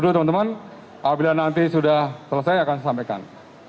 dua teman teman apabila nanti sudah selesai akan sampaikan